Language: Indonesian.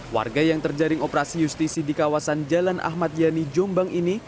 warga yang terjaring operasi justisi di kawasan jalan ahmad yani jombang ini